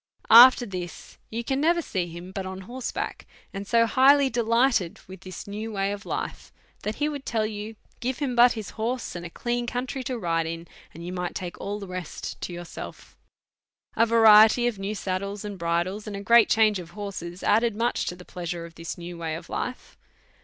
After this, you can never see him but on horseback, and so highly delighted with this new way of life, that he would tell you, give him but his horse and a clean country to ride in, and you might take all the rest to yourself. A variety of new saddles and bridles, and a great change of horses, added much to the plea sure of this new way of life.